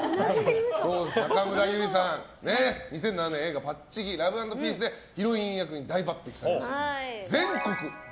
中村ゆりさん、２００７年映画「パッチギラブ＆ピース」でヒロイン役に抜擢されまして。